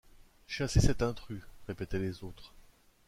Chassez cet intrus! répétaient les autres.